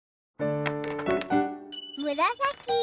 むらさき。